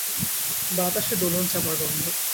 বাতাসে দোলনচাঁপার গন্ধ।